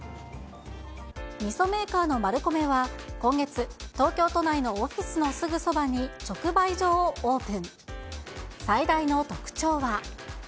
みそメーカーのマルコメは、今月、東京都内のオフィスのすぐそばに直売所をオープン。